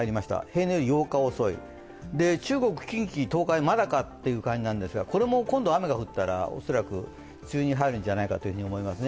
平年より８日遅い中国、東海、近畿、まだなのかという感じですがこれも今度、雨が降ったら恐らく梅雨に入るんじゃないかと思います。